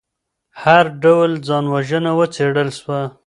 هر ډول ځان وژنه وڅیړل سوه.